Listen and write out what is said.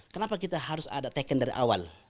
kenapa kita harus ada teken dari awal